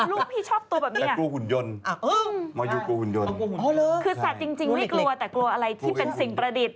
ลูกพี่ชอบตัวแบบนี้กลัวหุ่นยนต์มายูกลัวหุ่นยนต์คือสัตว์จริงไม่กลัวแต่กลัวอะไรที่เป็นสิ่งประดิษฐ